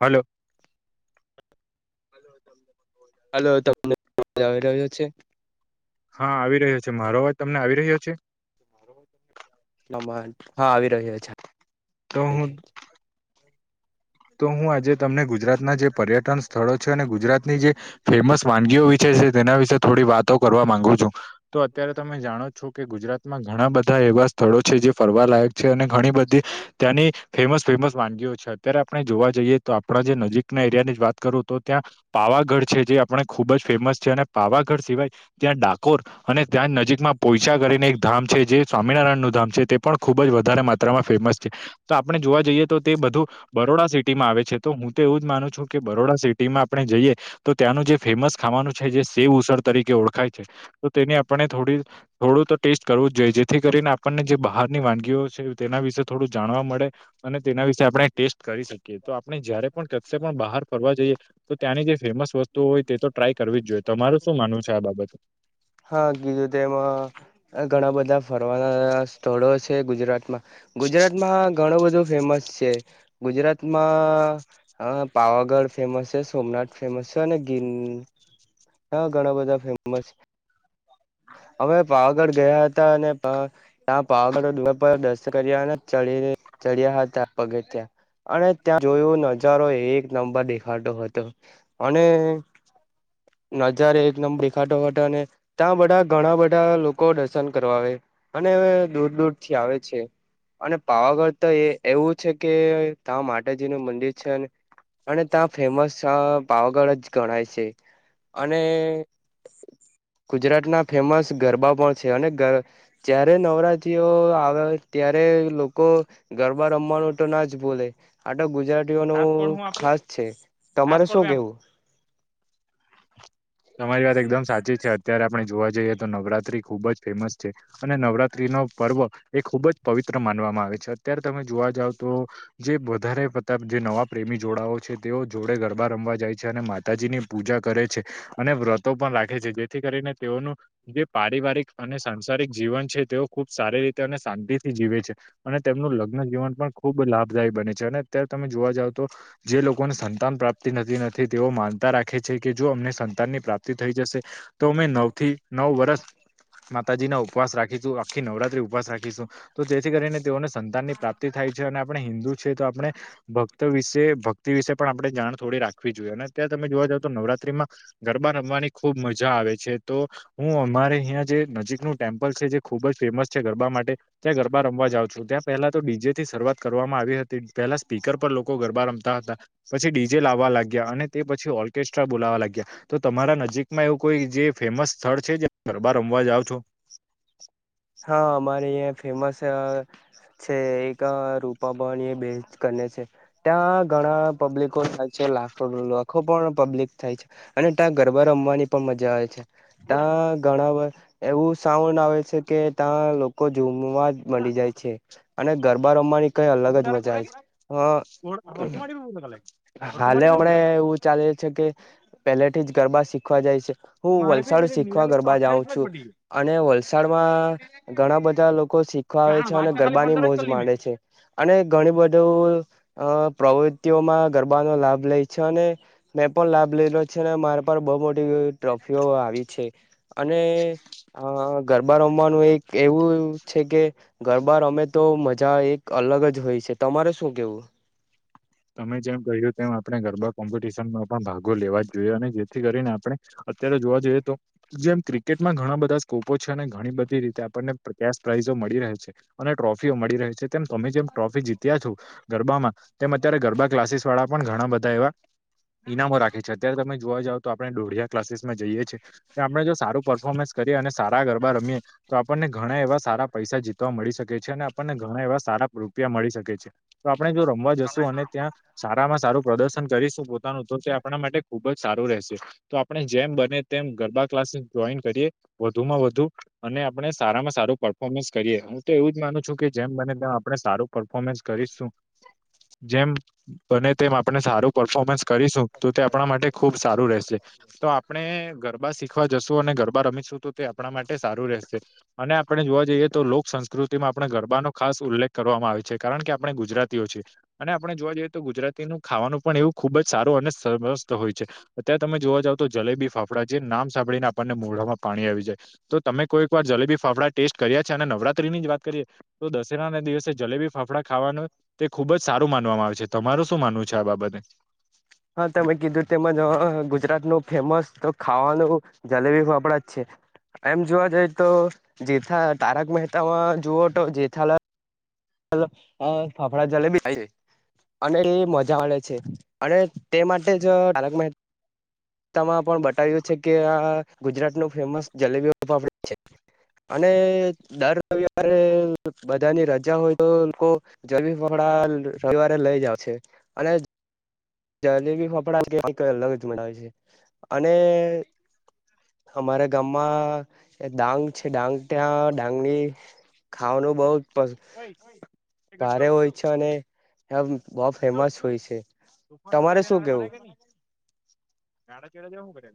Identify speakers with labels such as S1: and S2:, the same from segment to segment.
S1: Hello. [inaudible]
S2: Hello તમને મ આવી રહ્યો છે.
S1: હા આવી રહ્યો છે. મારો અવાજ તમને આવી રહ્યો છે?
S2: બરોબ હા આવી રહ્યો છે.
S1: તો હું તો હું આજે તમને ગુજરાતના જે પર્યટન સ્થળો છે. અને ગુજરાતની જે ફેમસ વાનગીઓ વિશે છે. તેના વિશે થોડી વાતો કરવા માંગુ છું. તો અત્યારે તમે જાણો છો કે ગુજરાતમાં ઘણા બધા એવા સ્થળો છે. જે ફરવા લાયક છે. અને ઘણી બધી ત્યાંની ફેમસ ફેમસ વાનગીઓ છે. અત્યારે આપણે જોવા જઈએ તો આપણા જે નજીકના એરિયા ની જ વાત કરું તો ત્યાં પાવાગઢ છે જે આપણે ખુબ જ ફેમસ છે. અને પાવાગઢ સિવાય ત્યાં ડા અને ત્યાં નજીકમાં પોયચા કરીને એક ધામ છે. જે સ્વામિનારાયણ નું ધામ છે. તે પણ ખુબ જ વધારે માત્રામાં ફેમસ છે. તો આપણે જોવા જઈએ તો તે બધું બરોડા સિટીમાં આવે છે. તો હું તો એવું જ માનું છું કે બરોડા સિટીમાં આપણે જઈએ. તો ત્યાંનું જે ફેમસ ખાવાનું છે જે સેવ ઉસળ તરીકે ઓળખાય છે. તો તેની આપણે થોડી થોડું તો ટેસ્ટ કરવું જ જોઈએ. જેથી કરીને આપણને જે બહારની વાનગીઓ છે તેના વિશે થોડું જાણવા મળે. અને તેના વિશે આપણે ટેસ્ટ કરી શકીએ. તો આપણે જયારે પણ કસે પણ બહાર ફરવા જઈએ. તો ત્યાંની જે ફેમસ વસ્તુ હોય તે તો ટ્રાય કરવી જ જોઈએ. તમારું શું માનવું છે આ બાબત?
S2: હા કીજું તેમાં આ ઘણા બધા ફરવાના સ્થળો છે. ગુજરાતમાં ગુજરાતમાં ઘણું બધું ફેમસ છે. ગુજરાતમાં હા પાવાગઢ ફેમસ છે. સોમનાથ ફેમસ છે. અને ગિર હ ઘણા બધા ફેમસ અમે પાવાગઢ ગયા હતા. અને ત્યા પાવાગાડો દુ દસ્ત કર્યા ચ ચડ્યા હતા. પગે થ્યા અને ત્યાં જોયું નજારો એક નંબર દેખાતો હતો. અને નજાર એક નંબરખાટો અને ત્યાં બધા ઘણા બધા લોકો દર્શન કરવા આવે. અને દૂર દૂર થી આવે છે. અને પાવાગઢ તો એ એવું છે. કે તં માતાજી નું મંદિર છે. અને ત્યાં ફેમસ પાવાગઢ જ ગણાય છે. અને ગુજરાતના ફેમસ ગરબા પણ છે. અને જયારે નવરાત્રીઓ આવે. ત્યારે લોકો ગરબા રમવાનું તો ના જ બોલે આટ ગુજરાતી નું ખાસ છે. તમારે શું કેવું?
S1: [inaudible] તમારી વાત એકદમ સાચી છે. અત્યારે આપણે જોવા જઈએ તો નવરાત્રી ખુબ જ ફેમસ છે. અને નવરાત્રી નો પર્વ એ ખૂબ જ પવિત્ર માનવામાં આવે છે. અત્યારે તમે જોવા જાવ તો જે વધારે જે નવા પ્રેમી જોડાઓ છે તેઓ જોડે ગરબા રમવા જાય છે અને માતાજીની પૂજા કરે છે. અને વ્રતો પણ રાખે છે જેથી કરીને તેઓનું. જે પારિવારિક અને સાસારિક જીવન છે તેઓ ખુબ સારી રીતે અને શાંતિ થી જીવે છે. અને તેમનું લગ્ન જીવન પણ ખૂબ લાભદાયી બને છે અને અત્યારે તમે જોવા જાવ તો. જે લોકોને સંતાન પ્રાપ્તિ થતી નથી તેઓ માનતા રાખે છે કે જો અમને સંતાનની પ્રાપ્તિ થઈ જશે. તો મેં નવ થી નવ વર્ષ. માતાજી ના ઉપવાસ રાખીશું આખી નવરાત્રી ઉપસ રાખીશું. તો જેથી કરીને તેઓને સંતાનની પ્રાપ્તિ થાય છે અને આપણે હિન્દુ છે તો આપણે. ભક્ત વિશે ભક્તિ વિશે પણ આપણે જાણ થોડી રાખવી જોઈએ અને અત્યારે તમે જોવા જાવઓ તો નવરાત્રીમાં. ગરબા રમવાની ખુબ મજા આવે છે તો. હું અમારે અહં જે નજીકનુંું ટેમ્પલ છે જે ખુબ જ ફેમસ છે ગરબા માટે. ત્યાં ગરબા રમવા જાઉં છું ત્યાં પહેલા તો ડીજે થી શરૂઆત કરવામાં આવી હતી. પેલા સ્પીકર પર લોકો ગરબા રમતા હતા. પછી ડીજે લાવવા લાગ્યા અને તે પછી ઓર્કેસ્ટ્રા બોલાવા લાગ્યા. તો તમારા નજીકમાં એવું કોઈ જે ફેમસ સ્થળ છે જે ગરબા રમવા જાઓ છો.
S2: હા અમારે ફેમસ. છે એક રૂપા ભણી એ બે કરને છે. ત્યાં ઘણા પબ્લિકો થાય છે લાખો લાખો પણ પબ્લિક થાય છે. અને ત્યાં ગરબા રમવાની પણ મજા આવે છે. ત્યાં ઘણા એવું સાઉન્ડ આવે છે કે ત્યાં લોકો ૂમમાં. મંડી જાય છે અને ગરબા રમવાની. કઈ અલગ જ
S1: બગુટારે
S2: મજા
S1: પૂરા
S2: આવે
S1: કે
S2: છે
S1: હકીુ માડી ભૂલ ગલા કે.
S2: હાલે હમણા એવું ચાલે છે કે. પેલેથી જ ગરબા શીખવા જાય છે હું
S1: મારે બી
S2: વલસાડ
S1: પેલી
S2: શીખવા
S1: નિરાલીમાં તો
S2: ગરબા જાઉં
S1: અઠ્ઠાવીસ માં જ
S2: છું.
S1: પડી ગઈ
S2: અને વલસાડમાં ઘણા બધા લોકો શીખવા આવે
S1: જાણ
S2: છે અને
S1: વાત તો ખાલી
S2: ગરબાની
S1: પંદર જ
S2: મોજ
S1: કલી મેં
S2: માંડે છે. અને ઘણી બધું પ્રવૃતિઓમાં ગરબાનોો લાભ લે છે અને. મેં પણ લાભ લીધલો છે ને મારે પણ બઉુ મોટી ટ્રોફીઓ આવી છે. અને અ ગરબા રમવાનું એક એવું છે કે. ગરબાર અમે તો મજા એક અલગ જ હોય છે તમારે શું કેવું.
S1: તમે જેમ કહ્યું તેમ આપણે ગરબા કોમ્પિટિશનમાં પણ ભાગો લેવા જ જોઈએ અને જેથી કરીને આપણે. અત્યારે જોવા જઈએ તો. જેમ ક્રિકેટમાં ઘણા બધા સ્કોપો છે અને ઘણી બધી રીતે આપણને કેસ પ્રાાઈઝો મળી રહે છે. અને ટ્રોફીઓ મળી રહી છે તેમ તમે જેમ ટ્રોફી જીત્યા છો ગરબામાં તેમ. અત્યારે ગરબા ક્લાસીસ વાળા પણ ઘણા બધા એવા ઈનામો રાખે છે અત્યારે તમે જોવા જાવ. તો આપણે ડોઢિયા ક્લાસીસમાં જઈએ છીએ આપણે જો સારું પરર્ફોર્મન્સ કરીએ અને સારા ગરબા રમીએ. તો આપણને ઘણા એવા સારા પૈસા જીતવા મળી શકે છે અને આપણને ઘણા એવા સારા રૂપિયા મળી શકે છે. તો આપણે જો રમવા જશુ અને ત્યાં, સારામાં સારું પ્રદર્શન કરીશું, પોતાનું તો તે આપણા માટે ખુબ જ સારું રહેશે. તો આપણે જેમ બને તેમ ગરબા ક્લાસ જોઈન કરીએ વધુ માં વધુ અને આપણે સારામાં સારું પર્ફોર્મન્સ કરીએ હું તો એવું જ માનું છું, કે જેમ બને તેમ આપણે સારું. પરર્ફોર્મન્સ કરીશું. જેમ બને તેમ આપણે સારું પરફોર્મન્સ કરીશું તો તે આપણા માટે ખુબ સારું રહેશે. તો આપણે ગરબા શીખવા જશું અને ગરબા રમીશું તો તે આપણા માટે સારું રહેશે. અને આપણે જોવા જઈએ તો લોક સંસ્કૃતિમાં આપણે ગરબાનો ખાસ ઉલ્લેખ કરવામાં આવે છે કારણ કે આપણે ગુજરાતીઓ છીએ. અને આપણે જોવા જઈએ તો ગુજરાતીનું ખાવાનું પણ એવું ખુબ જ સારું અને સમસ્ત હોય છે. અત્યારે તમે જોવા જાવ તો જલેબી ફાફડા જે નામ સાંભળીને આપણને મોઢામાં પાણી આવી જાય. તો તમે કોઈ એક વાર જલેબી ફાફડા ટેસ્ટ કર્યા છે અને નવરાત્રી ની જ વાત કરીએ. તો દશેરા ના દિવસે જલેબી ફાફડા ખાવાનું તે ખુબ જ. સારું માનવામાં આવે છે તમારું શું માનવું છે આ બાબતે.
S2: હા તમે કીધું તેમજ ગુજરાત નું ફેમસ તો ખાવાનું. જલેબી ફપડા જ છે. એમ જોવા જઈ તો જેથા તારક મહેતા જુઓ તો જેથાલા ફાફડા જલેબી અને એ મજા આવેે છે. અને તે માટે જ માં પણ બતાવ્યું છે. કે આ ગુજરાત નું ફેમસ જલેબી ઓપડ છે. અને દર રવિવારે બધાની રજા હોય લોકો જરબી પકડા રવિવારે લઈ જ છે. અને જલેબી ફફડા કેવા અલગત મળવે છે. અને અમારા ગામમાં ડાંગ છે. ડાંગ ત્યાં ડાંગની ખાવાનું બહુ ભારે હોય છે. અને એ બહ ફેમસ હોય છે.
S1: ત ફોન નરો
S2: તમારે
S1: ત
S2: શું
S1: બના
S2: કેવું
S1: કે નહી નાડા ચડા જ શું કરે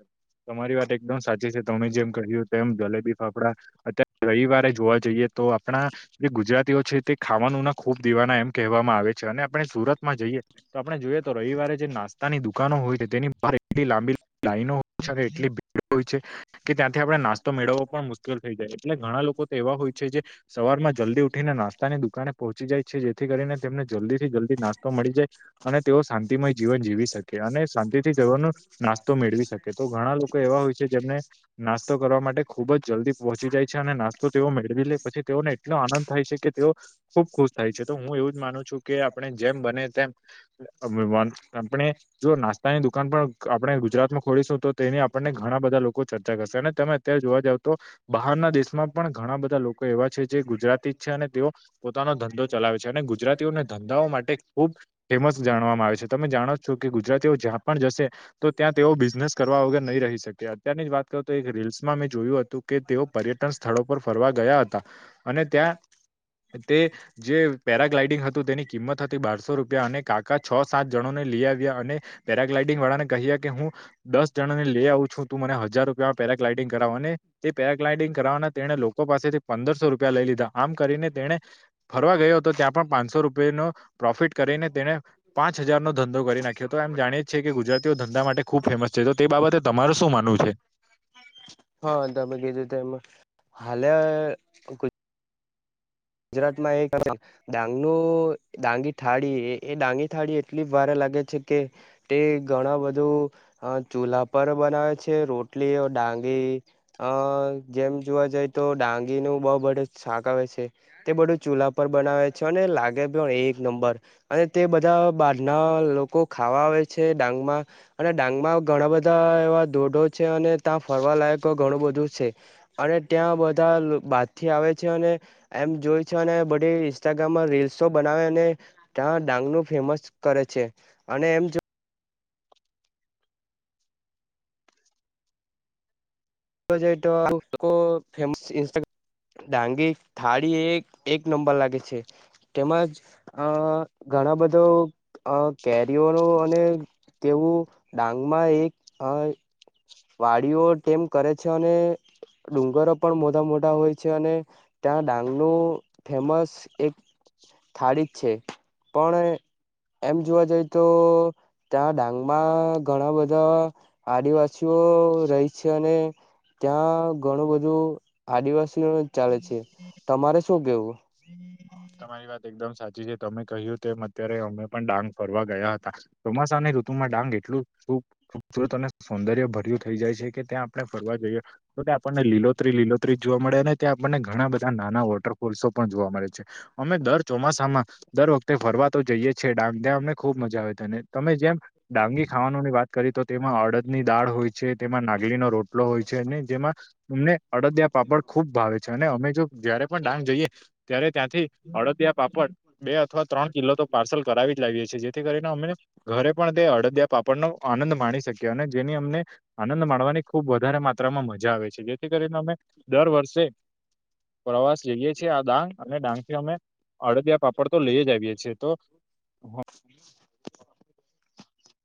S1: તમારી વાત એકદમ સાચી છે તમે જેમ કહ્યું તેમ જલેબી ફાફડા અત્યારે રવિવારે જોવા જઈએ તો આપણા જે ગુજરાતીઓ છે તે ખાવાનુંના ખૂબ દીવાના એમ કહેવામાં આવે છે અને આપણે સુરતમાં જઈએ તો આપણે જોઈએ તો રવિવારે જે નાસ્તાની દુકાનો હોય તેની બહાર એટલી લાંબી લાઈનો હો છે એટલી ભીડ હોય છે કે ત્યાંથી આપડણે નાસ્તો મેળવવો પણ મુશ્કેલ થઈ જાય એટલે ઘણા લોકો તો એવા હોય છે જે સવારમાં જલ્દી ઉઠીને નાસ્તાની દુકાને પહોચી જાય છે જેથી કરીને તેમને જલ્દીથી જલ્દી નાસ્તો મળી જાય અને તેઓ શાંતિમય જીવન જીવી શકે અને શાંતિ થી જવાનું નાસ્તો મેળવી શકે તો ઘણા લોકો એવા હોય છે જેમને નાસ્તો કરવા માટે ખુબ જ જલ્દી પહોંચી જાય છે અને નાસ્તો તેઓ મેળવી લે પછી તેઓને એટલો આનંદ થાય છે કે તેઓ ખુબ ખુશ થાય છે તો હું એવું જ માનું છું કે આપણે જેમ બને તેમ આપણે જો નાસ્તાની દુકાન પણ આપણે ગુજરાતમાં ખોલીશું તો તેની આપણને ઘણા બધા લોકો ચર્ચા કરશે અને તમે અત્યારે જોવા જાવ તો બહારના દેશમાં પણ ઘણા બધા લોકો એવા છે જે ગુજરાતી જ છે અને તેઓ પોતાનો ધંધો ચલાવે છે અને ગુજરાતીઓને ધ ા માટે ખુબ ફેમસ જાણવામાં આવે છે તમે જાણો છો કે ગુજરાતીઓ જ્યાં પણ જશે તો ત્યાં તેઓ બિઝનેસ કરવા વગર નહી રહી શકે અત્યારની જ વાત કરો તો એક રીલ્સમાં મેં જોયું હતું કે તેઓ પર્યટન સ્થળો પર ફરવા ગયા હતા અને ત્યાં તે જે પેરાગ્લાઈડિંગ હતું તેની કિંમત હતી બારસો રૂપિયા અને કાકા છ સાત જણને લઈ આવ્યા અને પેરાગ્લાઇડિંગ વાળા કહ કે હું દસ જણા ને લઈ આવું છું તું મને હજાર રૂપિયામાં પેરાગ્લાઇડિંગ કરાવવાને તે પેરાગ્લાઇડિંગ કરના તેને લોકો પાસેથી પંદરસો રૂપિયા લઈ લીધા આમ કરીને તેને ફરવા ગયો હતો ત્યાં પણ પાંચોૂ ો પ્રોફિટ કરીને તેને પાંચ હજાર નો ધંધો કરી નાખ્યો હતો એમ જાણીએી કે તેઓ ધંધા માટે ખુબ ફેમસ છે તો તે બાબતે તમારરે શું માનવું છે
S2: હા તમે કીધું ત એમ હાલે ગુજરાત માં એક ડાંગ ન ડાંગી થાળી એ ડાંગી થાળી એટલી વાારે લાગે છે કે તે ઘણા બધું ચૂલાા પર બનાવે છે રોટલીઓ ડાંગી અ જેમ જોવા જઈ તો ડાંગીનું બઉબડે શાક આવે છે તે બધું ચૂલા પર બનાવે છે અને લાગે પણ એક નંબર અને તે બધા બારના લોકો ખાવા આવે છે ડાંગમાં અને ડાંગમાં ઘણા બધા એવા દોઢો છે અને ત્યાં ફરવા લાયકો ઘણું બધું છે અને ત્યાં બધા બાદ થી આવે છે અને એમ જોય છે અને બધી ઇન્સ્ટાગ્રામમાં રીલ્સો બનાવે અને ત્યા ડાંગ નું ફેમસ કરે છે અને એમ જે તો ફેમસ ન્સ્ટાગ્રામ ડાંગી થાળી એક એક નંબર લાગે છે તેમજ અ ઘણા બધો અ કેરીઓ ન અને તેવું ડાંગમાં એક વાડીઓ તેમ કરે છે અને ડુંગરો પણ મોટા મોટા હોય છે અને ત્યાં ડાંગ ન ફેમસ એક સ્થળિત છે પણ એમ જોવા જઈ તો ત્યાં ડાંગ માં ઘણા બધા આદિવાસી રહી છે અને ત્યાં ઘણું બધું આદિવાસી ન ચાલે છે તમારે શું કેવું
S1: તમારી વાત એકદમ સાચી છે તમે કહ્યું તેમ અત્યારે અમે પણ ડાંગ ફરવા ગયા હતા ચોમાસા અને ઋતુમાં ડાંગ એટલું ખૂબસૂરત અને સૌંદર્ય ભર્યું થઇ જાય છે કે ત્યાં આપણે ફરવા જઈએ તો કે આપણને લીલોત્રી લીલોત્રી જોવા મળે ને ત્યાં આપણને ઘણા બધા નાના વોટરફોલ્સો પણ જોવા મળે છે અમે દર ચોમાસામાં દર વખતે ફરવા તો જઈએ છે ડાંગ ડ અમને ખુબ મજા આવે ત અને તમે જેમ ડાંગી ખાવાનોની વાત કરી તો તેમાં અડદની દાળ હોય છે તેમાં નાગલીનો રોટ લો હોય છે અને જેમાં અમને અડદિયા પાપડ ખુબ ભાવે છે અને અમે જો જયારે પણ ડાંગ જઈએ ત્યારે ત્યાંથી અડદિયા પાપડ બે અથવા ત્રણ કિલો તો પાર્સલ કરાવી જ લાવીએ છીએ જેથી કરીને અમને ઘરે પણ તે અડદિયા પાપડનોો આનંદ માણી શક્યો અને જેની અમને આનંદ માણવાની ખૂબ વધારે માત્રામાં મજા આવે છે જેથી કરીને અમે દર વર્ષે પ્રવાસ જઈએ છીએ આ ડાંગ અને ડાંગ થી અમે અડદિયા પાપડ તો લઈ જ આવીએ છીએ તો
S2: હ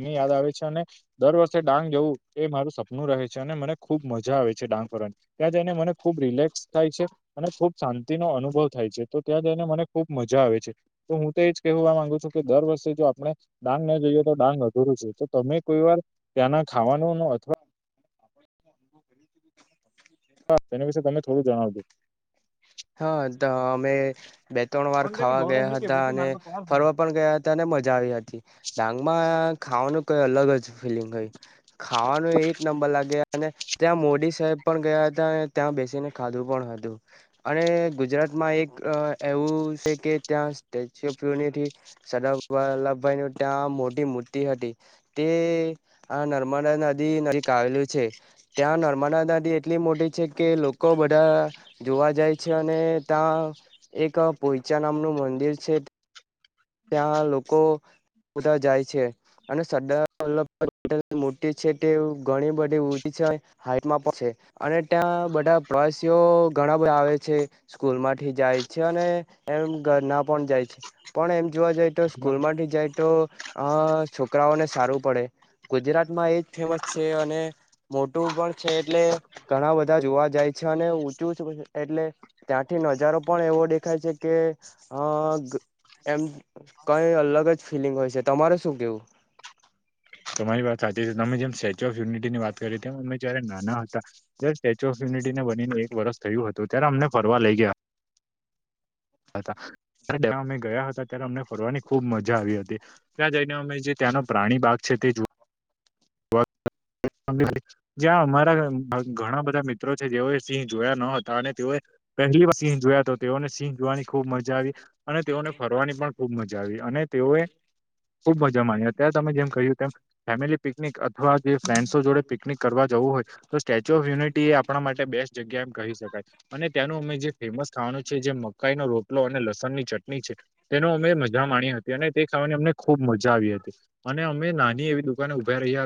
S1: મને યાદ આવે છે અને દર વર્ષે ડાંગ જવું એ મારું સપનું રહે છે અને મને ખુબ મજા આવે છે ડાંંગ કરવાની ત્યાં તે એને મને ખુબ રિલેક્સ થાય છે અને ખુબ શાંતિનોો અનુભવ થાય છે તો ત્યાં જઈને મને ખુબ મજા આવે છે તો હું તો એજ કહેવા માંગુ છું, કે દર વર્ષે જો આપણે દાન ન જોઈએ. ડાંગ અધરું છે. તો તમે કોઈ વાર ત્યાંના ખાવાનું ન અથવા
S2: અનુવીધ
S1: હા એના વિશે તમે થોડું જણાવજો.
S2: હા તો અમે બે ત્રણ વાર
S1: પણ તેની
S2: ખાવા
S1: ગૌરવ
S2: ગયા
S1: હું
S2: હતા.
S1: કે
S2: અને
S1: મારે તો ત્રણ ફોન
S2: ફરવા પણ ગયા હતા. તને મજા આવી હતી. ડાંગમાં ખાવાનું કઈ અલગ જ ફીલિંગય ખાવાનું એક નંબર લાગે અને ત્યાં મોડી સાહેબ પણ ગયા હતા. અને ત્યાં બેસીને ખાધું પણ હતું. અને ગુજરાતમાં એક એવું છે કે, ત્યાં સ્ટેચ્યુ ઓફ યુનિટીથી સદ વલ્લભભાઈ નું ત્યાં મોટી મૂર્તિ હતી. તે આ નર્મદા નદી નજીક આવેલું છે. ત્યાં નર્મદા દાદી એટલી મોટી છે. કે લોકો બધા જોવા જાય છે. અને ત્યાં એક પોઈચા નામનું મંદિર છે. ત્યાં લોકો બધા જાય છે. અને સદ મોટી છે. તે ઘણી બધી ઊભી છે. હાઈટમાં પણ છે. અને ત્યાં બધા પ્રવાસીઓ ઘણા બધા આવે છે. સ્કૂલ માંથી જાય છે. અને એમ ઘર ના પણ જાય છે. પણ એમ જોવા જાય તો સ્કૂલ માંથી જાય તો છોકરાઓને સારું પડે. ગુજરાતમાં એજ ફેમસ છે. અને મોટું પણ છે. એટલે ઘણા બધા જોવા જાય છે. અને ઊંચું એટલે ત્યાંથી નજારો પણ એવો દેખાય છે કે, અ એમ કઈ અલગ જ ફિલિંગ હોય છે. તમારે શું કેવું
S1: તમારી વાત સાચી છે. તમે જેમ સ્ટેચ્યુ ઓફ યુનિટીની વાત કરી તેમ અમે જ્યારે નાના હતા. જયારે સ્ટેચ્યુ ઓફ યુનિટીને બનીને એક વર્ષ થયું હતું ત્યારે અમને ફરવા લઇ ગયા. હતા ત અમે ગયા હતા. ત્યારે, અમને ફરવાની ખુબ મજા આવી હતી. ત્યાં જઈને અમે જે ત્યાંનો પ્રાણી બાગ છે તે જો જ્યાં અમારા ઘણા બધા મિત્રો છે જેઓએ સિંહ જોયા ન હતા અને તેઓએ પહેલી વાર સિંહ જોયા તો તેઓને સિંહ જોવાની ખુબ મજા આવી અને તેઓને ફરવાની પણ ખૂબ મજા આવી અને તેઓએ ખુબ મજા માણી અત્યારે તમે જેમ કહ્યું તેમ ફેમિલી પિકનિક અથવા જે ફ્રેન્ડસો જોડે પિકનિક કરવા જવું હોય તો સ્ટેચ્યુ ઓફ યુનિટી, એ આપણા માટે બેસ્ટ જગ્યા એમ કહી શકાય. અને ત્યાંનું અમે જે ફેમસ ખાવાનું છે. જે મકાઈનો રોટલો અને લસણ ની ચટણી છે તેનો અમે મજા માણી હતી. અને તે ખાવાની અમને ખૂબ મજા આવી હતી. અને અમે નાની એવી દુકાને ઉભા રહ્યા હતા